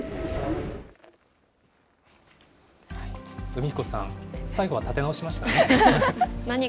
海彦さん、最後は立て直しましたね。